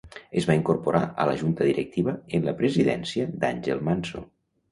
Es va incorporar a la Junta Directiva en la presidència d'Àngel Manso.